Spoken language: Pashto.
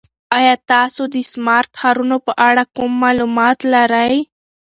ایا تاسو د سمارټ ښارونو په اړه کوم معلومات لرئ؟